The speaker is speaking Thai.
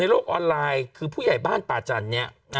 โลกออนไลน์คือผู้ใหญ่บ้านป่าจันทร์เนี่ย